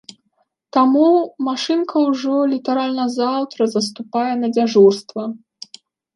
Таму, машынка ўжо літаральна заўтра заступае на дзяжурства.